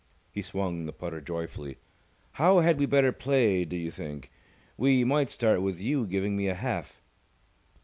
He swung the putter joyfully. "How had we better play do you think? We might start with you giving me a half."